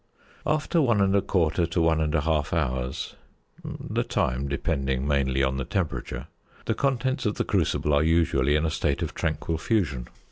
After 1 1/4 to 1 1/2 hours (the time depending mainly on the temperature), the contents of the crucible are usually in a state of tranquil fusion.